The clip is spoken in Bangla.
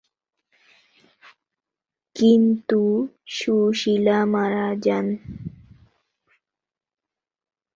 কিন্তু সুশীলা মারা যান।